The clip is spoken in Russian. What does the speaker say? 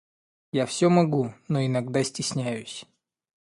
Я всё могу, но иногда стесняюсь.